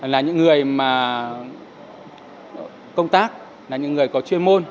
là những người mà công tác là những người có chuyên môn